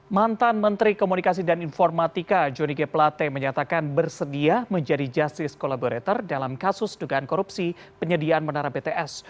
mantan menteri komunikasi dan informatika johnny g plate menyatakan bersedia menjadi justice collaborator dalam kasus dugaan korupsi penyediaan menara bts